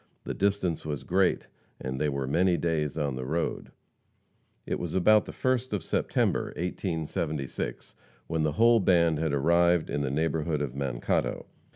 The distance was great, and they were many days on the road. It was about the 1st of September, 1876, when the whole band had arrived in the neighborhood of Mankato.